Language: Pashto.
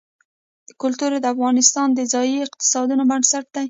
کلتور د افغانستان د ځایي اقتصادونو بنسټ دی.